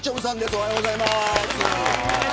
おはようございます。